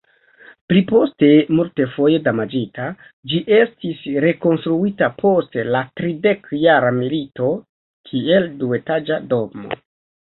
Pli poste multfoje damaĝita, ĝi estis rekonstruita post la Tridekjara Milito kiel duetaĝa domo.